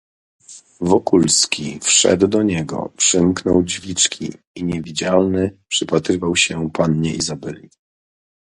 "Wokulski wszedł do niego, przymknął drzwiczki i niewidzialny, przypatrywał się pannie Izabeli."